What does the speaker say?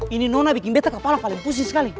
ini nona bikin beta kepala paling pusing sekali